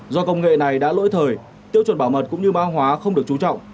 do công nghệ này đã lỗi thời tiêu chuẩn bảo mật cũng như ma hoá không được chú trọng